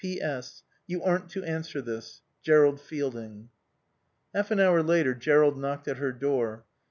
P.S. You aren't to answer this. JERROLD FIELDING. Half an hour later Jerrold knocked at her door.